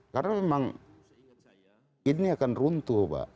karena memang ini akan runtuh pak